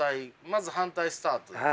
まず反対スタートですね。